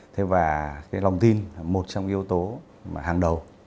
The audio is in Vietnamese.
thế và lòng tin là một trong yếu tố hàng đầu